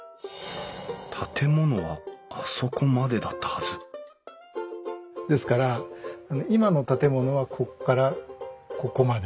建物はあそこまでだったはずですから今の建物はここからここまで。